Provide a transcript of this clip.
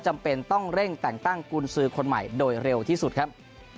มันต้องเร่งแต่งกูลซื้อคนใหม่โดยเร็วที่สุดครับ